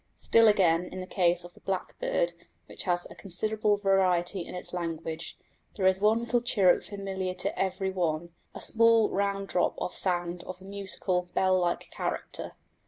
Still again, in the case of the blackbird, which has a considerable variety in its language, there is one little chirp familiar to every one a small round drop of sound of a musical, bell like character.